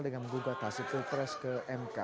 dengan menggugat hasil pilpres ke mk